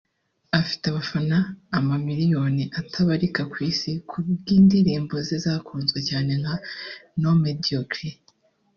afite abafana amamiliyoni atabarika ku Isi ku bw’indirimbo ze zakunzwe cyane nka ’No Mediocre’